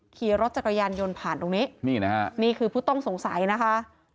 ขี่รถจักรยานยนต์ผ่านตรงนี้นี่นะฮะนี่คือผู้ต้องสงสัยนะคะ